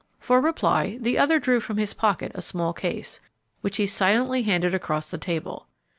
For reply, the other drew from his pocket a small case, which he silently handed across the table.